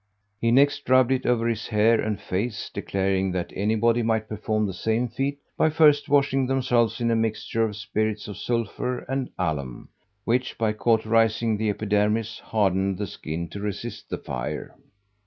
He next rubbed it over his hair and face, declaring that anybody might perform the same feat by first washing themselves in a mixture of spirits of sulphur and alum, which, by cauterising the epidermis, hardened the skin to resist the fire.